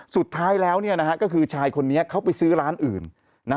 สุดท้ายแล้วเนี่ยนะฮะก็คือชายคนนี้เขาไปซื้อร้านอื่นนะ